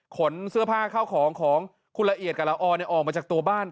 ขนเสื้อผ้าเข้าของของคุณละเอียดกับละออออกมาจากตัวบ้าน